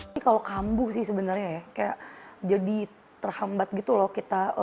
ini kalau kambuh sih sebenarnya ya kayak jadi terhambat gitu loh kita